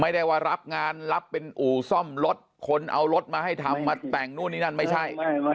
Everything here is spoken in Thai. ไม่ได้ว่ารับงานรับเป็นอู่ซ่อมรถคนเอารถมาให้ทำมาแต่งนู่นนี่นั่นไม่ใช่